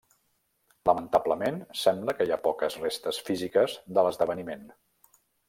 Lamentablement sembla que hi ha poques restes físiques de l'esdeveniment.